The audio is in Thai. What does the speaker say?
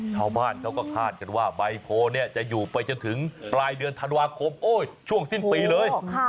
ชาวบ้านเขาก็คาดกันว่าใบโพเนี่ยจะอยู่ไปจนถึงปลายเดือนธันวาคมช่วงสิ้นปีเลย